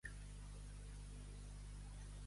Pensar fa ser burro.